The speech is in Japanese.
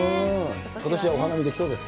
ことしはお花見できそうです